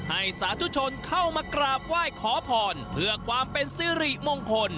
สาธุชนเข้ามากราบไหว้ขอพรเพื่อความเป็นสิริมงคล